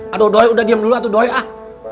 aduh doi udah diem dulu atuh doi ah